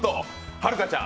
はるかちゃん